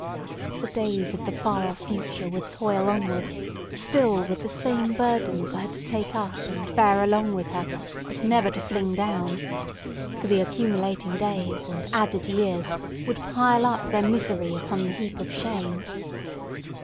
The days of the far off future would toil onward, still with the same burden for her to take up, and bear along with her, but never to fling down; for the accumulating days and added years would pile up their misery upon the heap of shame.